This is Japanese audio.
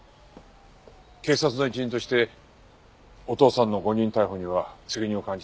警察の一員としてお父さんの誤認逮捕には責任を感じています。